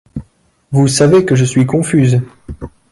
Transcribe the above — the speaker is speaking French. Vous savez que je suis confuse !